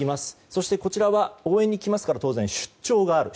そして、こちらは応援に来ますから出張がある。